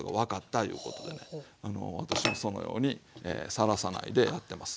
私もそのようにさらさないでやってます。